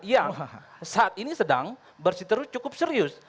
yang saat ini sedang bersiteru cukup serius